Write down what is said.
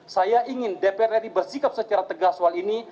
saya ingin dpr ri bersikap secara tegas soal ini